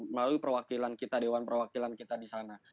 melalui perwakilan kita dewan perwakilan kita di sana